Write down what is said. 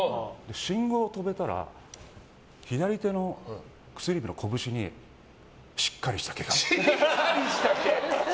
信号で止めたら左手の薬指の拳にしっかりした毛が。